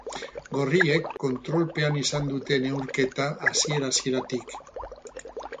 Gorriek kontrolpean izan dute neurketa hasiera-hasieratik.